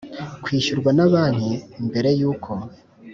kwishyurwa na banki mbere y uko